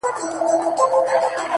ماته زارۍ كوي چي پرېميږده ه ياره،